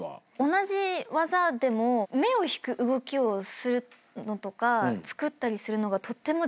同じ技でも目を引く動きをするのとかつくったりするのがとても上手だなって。